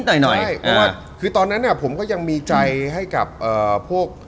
ใช่เพราะว่าคือตอนนั้นผมก็ยังมีใจให้กับพวก